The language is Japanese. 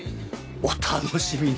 お楽しみに。